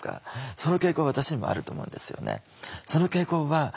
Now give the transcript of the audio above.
その傾向私にもあると思うんですよね。